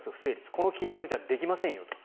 この金額じゃできませんよ